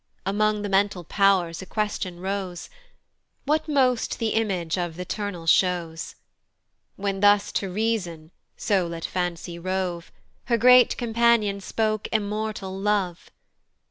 Among the mental pow'rs a question rose, "What most the image of th' Eternal shows?" When thus to Reason (so let Fancy rove) Her great companion spoke immortal Love.